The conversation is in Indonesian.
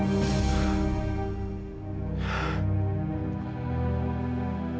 kamila sudah berhenti